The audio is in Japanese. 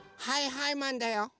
はいはいマンだよ！